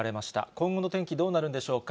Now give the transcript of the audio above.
今後の天気、どうなるんでしょうか。